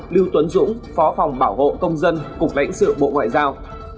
lưu tuấn dũng phó phòng bảo hộ công dân cục lãnh sự bộ ngoại giao